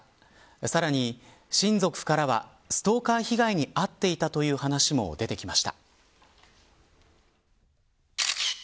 さらに、親族からはストーカー被害に遭っていたという話も出てきました。